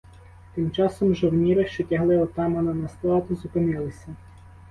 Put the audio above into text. Тим часом жовніри, що тягли отамана на страту, зупинилися.